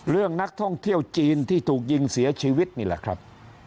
เรื่องนักท่องเที่ยวจีนที่ถูกยิงเสียชีวิตนี่แหละครับ